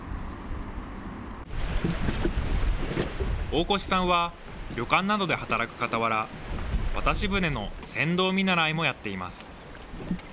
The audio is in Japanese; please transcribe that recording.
大越さんは、旅館などで働くかたわら、渡し船の船頭見習いもやっています。